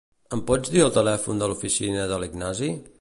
Em pots dir el telèfon de l'oficina de l'Ignasi?